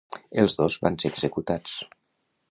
Els dos van ser executats.